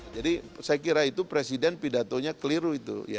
jadi saya kira itu presiden pidatonya keliru itu